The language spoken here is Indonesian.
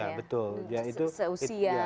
ya betul seusia